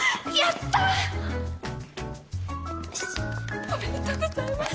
シーッおめでとうございます